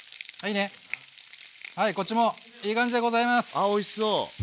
あっおいしそう！